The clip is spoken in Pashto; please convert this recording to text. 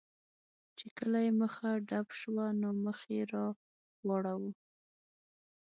چې کله یې مخه ډب شوه، نو مخ یې را واړاوه.